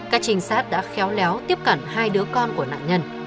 các trinh sát đã khéo léo tiếp cận hai đứa con của nạn nhân